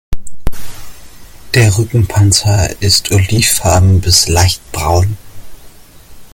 Der Rückenpanzer ist olivfarben bis leicht braun.